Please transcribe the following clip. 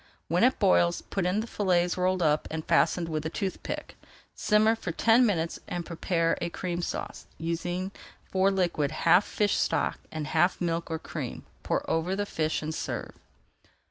When it boils, put in the fillets rolled up, and fastened with a toothpick. Simmer for ten minutes and prepare [Page 398] a Cream Sauce, using for liquid half fish stock and half milk or cream. Pour over the fish and serve.